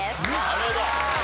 なるほど。